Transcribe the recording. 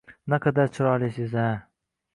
— Naqadar chiroylisiz-a!